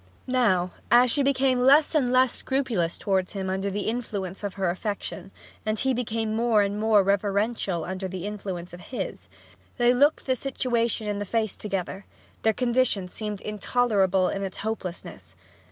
Now, as she became less and less scrupulous towards him under the influence of her affection, and he became more and more reverential under the influence of his, and they looked the situation in the face together, their condition seemed intolerable in its hopelessness.